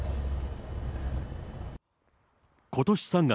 ことし３月、